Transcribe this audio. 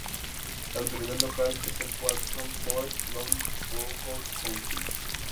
La autoridad local es el Waltham Forest London Borough Council.